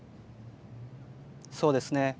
そうですね。